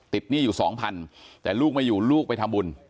หนี้อยู่สองพันแต่ลูกไม่อยู่ลูกไปทำบุญ